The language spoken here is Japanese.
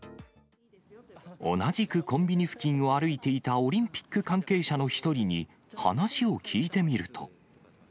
同じくコンビニ付近を歩いていたオリンピック関係者の一人に話を聞いてみると。